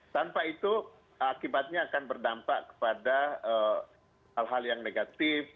tanpa itu akibatnya akan berdampak kepada hal hal yang negatif